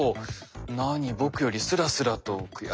何僕よりスラスラと悔しいな。